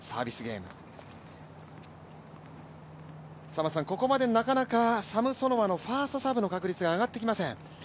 沢松さん、ここまでなかなかサムソノワのファーストサーブの確率が上がってきません。